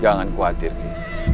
jangan khawatir ki